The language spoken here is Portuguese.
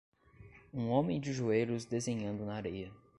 um homem de joelhos desenhando na areia